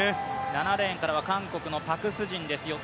７レーンからは韓国のパク・スジンです。